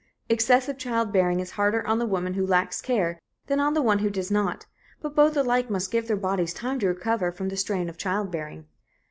Excessive childbearing is harder on the woman who lacks care than on the one who does not, but both alike must give their bodies time to recover from the strain of childbearing.